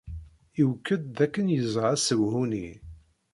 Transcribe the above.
Iwekked-d dakken yeẓra asehwu-nni.